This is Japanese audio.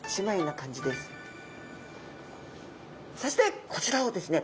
そしてこちらをですね